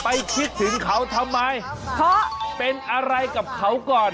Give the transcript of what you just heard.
คิดถึงเขาทำไมเพราะเป็นอะไรกับเขาก่อน